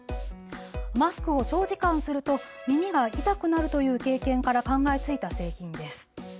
マスクを長時間すると耳が痛くなるという経験から考えついた製品です。